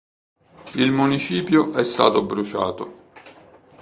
Il municipio è stato bruciato.